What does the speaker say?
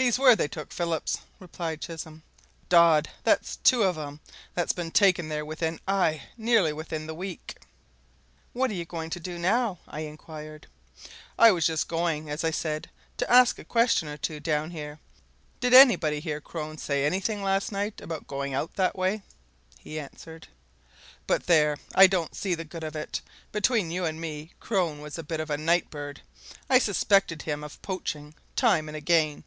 "He's where they took Phillips," replied Chisholm. "Dod! that's two of 'em that's been taken there within aye, nearly within the week!" "What are you going to do, now?" I inquired. "I was just going, as I said, to ask a question or two down here did anybody hear Crone say anything last night about going out that way?" he answered. "But, there, I don't see the good of it. Between you and me, Crone was a bit of a night bird I've suspected him of poaching, time and again.